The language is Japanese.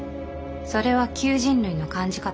それは旧人類の感じ方。